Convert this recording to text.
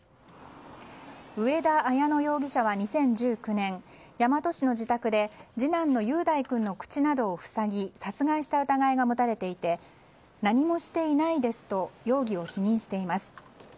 上田綾乃容疑者は２０１９年大和市の自宅で次男の雄大君の口などを塞ぎ殺害した疑いが持たれていて何もしていないですと容疑を否認しています。